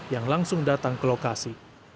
yang langsung datang ke lokasi